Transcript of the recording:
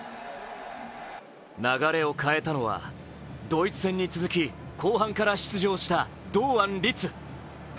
流れを変えたのはドイツ戦に続き後半から出場した堂安律。